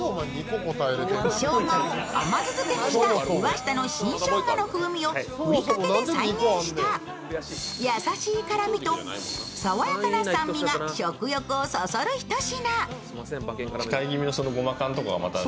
しょうがを甘酢漬けにした岩下の新生姜の風味をふりかけで再現した優しい辛味と爽やかな酸味が食欲をそそるひと品。